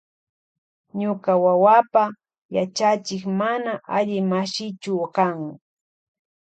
Ñuka wawapa yachachik mana alli mashichu kan.